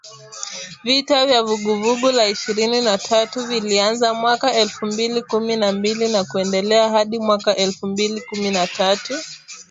Vita vya Vuguvugu la Ishirini na tatu vilianza mwaka elfu mbili kumi na mbili na kuendelea hadi mwaka elfu mbili kumi na tatu